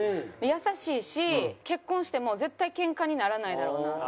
優しいし結婚しても絶対ケンカにならないだろうな。